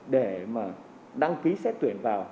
để mà đăng ký xét tuyển vào